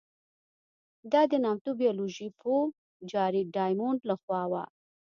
دا د نامتو بیولوژي پوه جارېډ ډایمونډ له خوا وه.